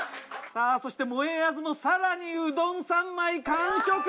さぁそしてもえあずも更にうどん３枚完食。